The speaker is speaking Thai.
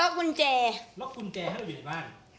ล็อกกุญแจให้เราอยู่ในบ้าน